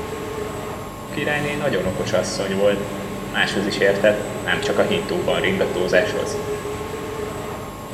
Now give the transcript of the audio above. A királyné nagyon okos asszony volt, máshoz is értett, nemcsak a hintóban ringatózáshoz.